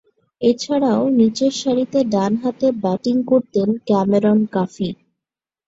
এছাড়াও, নিচেরসারিতে ডানহাতে ব্যাটিং করতেন ক্যামেরন কাফি।